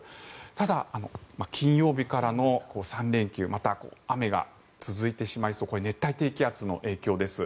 ただ、金曜日からの３連休また雨が続いてしまいこれ、熱帯低気圧の影響です。